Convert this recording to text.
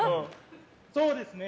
そうですね。